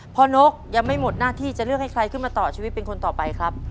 นกยังไม่หมดหน้าที่จะเลือกให้ใครขึ้นมาต่อชีวิตเป็นคนต่อไปครับ